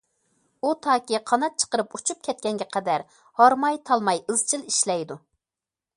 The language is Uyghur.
ئۇ تاكى قانات چىقىرىپ ئۇچۇپ كەتكەنگە قەدەر ھارماي- تالماي ئىزچىل ئىشلەيدۇ.